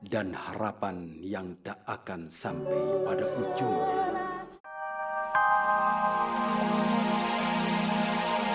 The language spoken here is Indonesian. dan harapan yang tak akan sampai pada ujungnya